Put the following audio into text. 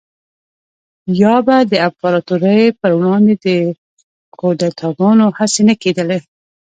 یا به د امپراتورۍ پروړاندې د کودتاګانو هڅې نه کېدلې